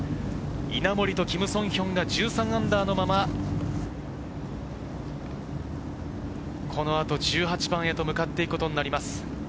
稲森とキム・ソンヒョンが−１３のまま、この後、１８番へと向かっていくことになります。